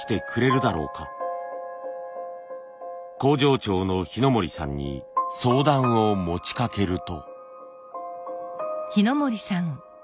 工場長の日野森さんに相談を持ちかけると。